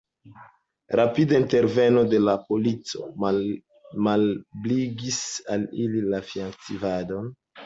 Rapida interveno de la polico malebligis al ili la fiaktivadon.